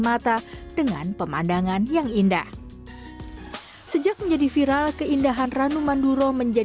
mata dengan pemandangan yang indah sejak menjadi viral keindahan ranu manduro menjadi